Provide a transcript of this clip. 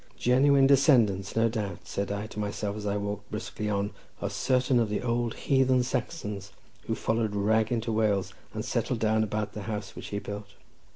"Genuine descendants, no doubt," said I to myself as I walked briskly on, "of certain of the old heathen Saxons who followed Rag into Wales, and settled down about the house which he built.